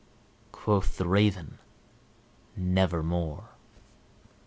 Quoth the Raven, "Nevermore."